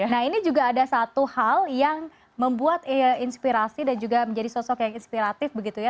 nah ini juga ada satu hal yang membuat inspirasi dan juga menjadi sosok yang inspiratif begitu ya